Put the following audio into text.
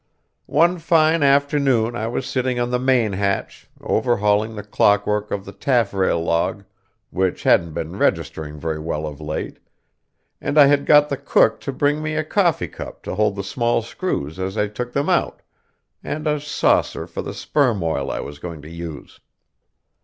One fine afternoon I was sitting on the main hatch, overhauling the clock work of the taffrail log, which hadn't been registering very well of late, and I had got the cook to bring me a coffee cup to hold the small screws as I took them out, and a saucer for the sperm oil I was going to use.